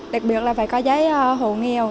đặc biệt là phải có giấy hữu nghèo